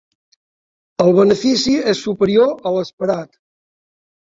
El benefici és superior a l'esperat